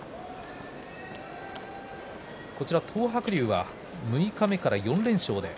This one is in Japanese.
東白龍は六日目から４連勝です。